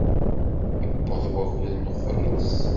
Yuweḍ-d wakud n uxelleṣ.